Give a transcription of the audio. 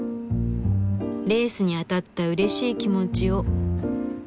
レースに当たったうれしい気持ちを。